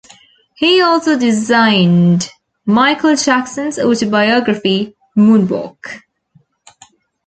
He also designed Michael Jackson's autobiography, "Moonwalk".